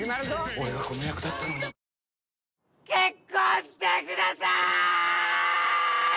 俺がこの役だったのに結婚してください！